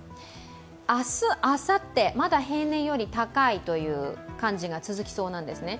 明日あさって、まだ平年より高いという感じが続きそうなんですね。